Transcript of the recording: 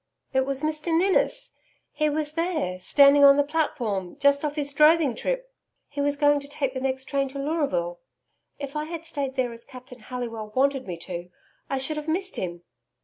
'It was Mr Ninnis. He was there, standing on the platform just off his droving trip he was going to take the next train to Leuraville. If I had stayed there as Captain Halliwell wanted me to, I should have missed him.